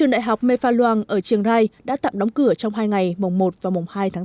đại học mê pha luang ở chiang rai đã tạm đóng cửa trong hai ngày mùng một và mùng hai tháng bốn